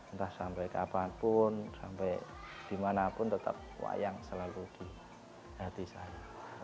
entah sampai kapanpun sampai dimanapun tetap wayang selalu di hati saya